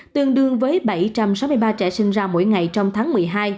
tương đương với bảy trăm sáu mươi ba trẻ sinh ra mỗi ngày trong tháng một mươi hai